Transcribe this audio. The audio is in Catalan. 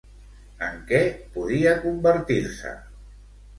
En què podia convertir-se?